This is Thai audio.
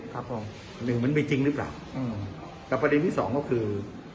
ครับผมหนึ่งมันมีจริงหรือเปล่าอืมแต่ประเด็นที่สองก็คือ